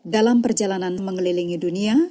dalam perjalanan mengelilingi dunia